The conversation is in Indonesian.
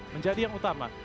menjadi yang utama